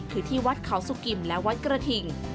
คือที่วัดเขาสุกิมและวัดกระถิ่ง